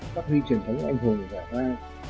phát huy truyền thống anh hùng vẽ vang